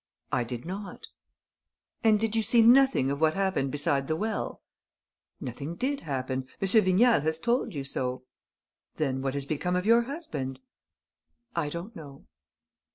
"I did not." "And did you see nothing of what happened beside the well?" "Nothing did happen. M. Vignal has told you so." "Then what has become of your husband?" "I don't know."